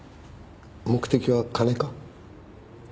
目的は金か？